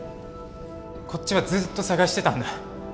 こっちはずっと捜してたんだ。